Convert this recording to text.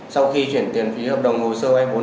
sau khi chuyển tiền phí hợp đồng hồ sơ vay vốn